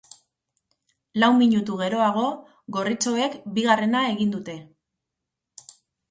Lau minutu geroago, gorritxoek bigarrena egin dute.